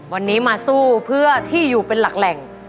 วันนี้มาสู้เพื่อที่อยู่เป็นหลักแหล่ง